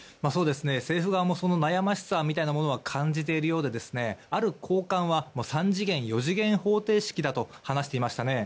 政府側もその悩ましさを感じているようである高官は３次元、４次元方程式だと話していましたね。